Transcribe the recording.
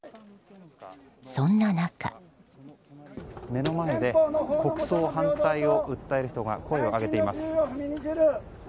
目の前で国葬反対を訴える人が声を上げています。